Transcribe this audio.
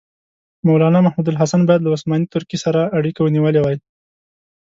مولنا محمودالحسن باید له عثماني ترکیې سره اړیکه نیولې وای.